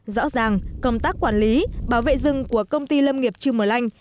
rõ ràng công tác quản lý bảo vệ rừng của công ty lâm nghiệp chư mờ lanh